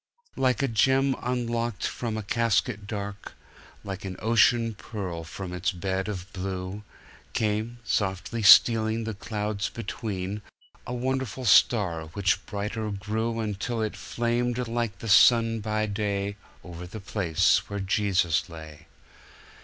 "Like a gem unlocked from a casket dark, like an ocean pearl from its bed of blue, Came, softly stealing the clouds between, a wonderful star which brighter grew Until it flamed like the sun by day Over the place where Jesus lay.